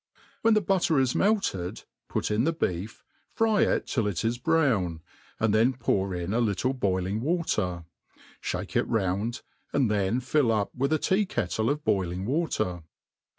When the butter is melted, put in the beef, fry it. till it is browq, and then pour in a little boiling watery fhake it round, and then fill up with a tea kettle of boiling water.